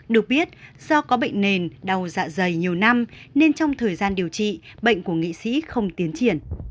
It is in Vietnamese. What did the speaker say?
được biết do có bệnh nền đau dạ dày nhiều năm nên trong thời gian điều trị bệnh của nghị sĩ không tiến triển